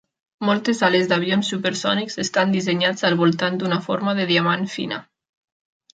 Moltes ales d'avions supersònics estan dissenyats al voltant d'una forma de diamant fina.